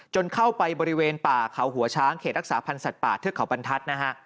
เข้าไปบริเวณป่าเขาหัวช้างเขตรักษาพันธ์สัตว์ป่าเทือกเขาบรรทัศน์นะฮะ